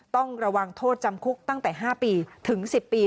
ต้องระวังโทษจำคุกตั้งแต่๕ปีถึง๑๐ปี